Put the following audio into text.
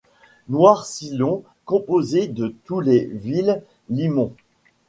Noir sillon composé de tous les vils limons